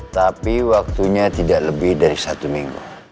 tapi waktunya tidak lebih dari satu minggu